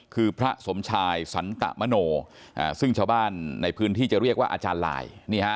คือพระสมชายสันตมโนซึ่งชาวบ้านในพื้นที่จะเรียกว่าอาจารย์ลาย